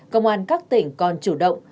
công an các tỉnh còn chủ động